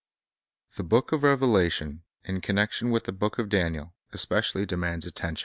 The book of Revelation, in connection with the book of Daniel, especially demands study.